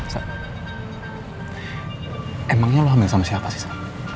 sa emangnya lu hamil sama siapa sih sa